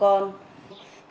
con không biết